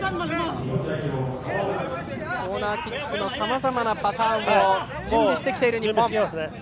コーナーキックのさまざまなパターンを準備してきている日本。